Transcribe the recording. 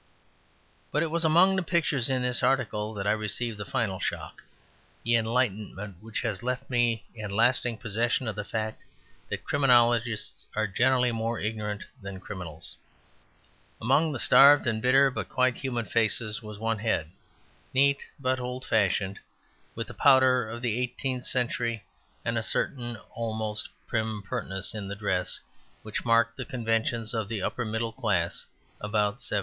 But it was among the pictures in this article that I received the final shock; the enlightenment which has left me in lasting possession of the fact that criminologists are generally more ignorant than criminals. Among the starved and bitter, but quite human, faces was one head, neat but old fashioned, with the powder of the 18th century and a certain almost pert primness in the dress which marked the conventions of the upper middle class about 1790.